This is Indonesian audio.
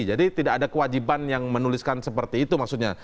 jadi tidak ada kewajiban yang menuliskan seperti itu maksudnya